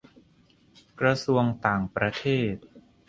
-กระทรวงต่างประเทศ